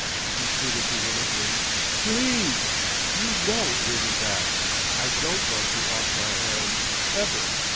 he pleaded vehemently. "Please!... You know it isn't that. I don't want you off my hands, ever....